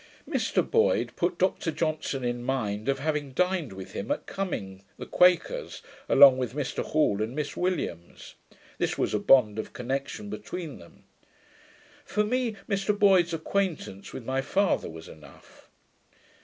Mr Boyd put Dr Johnson in mind of having dined with him at Cumming the Quaker's, along with Mr Hall and Miss Williams: this was a bond of connection between them. For me, Mr Boyd's acquaintance with my father was enough.